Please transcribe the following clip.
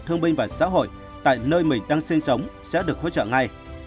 thương binh và xã hội tại nơi mình đang sinh sống sẽ được hỗ trợ ngay